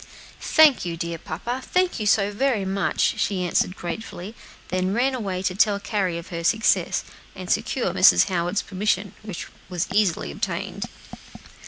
"Thank you, dear papa, thank you so very much," she answered gratefully, and then ran away to tell Carry of her success, and secure Mrs. Howard's permission, which was easily obtained.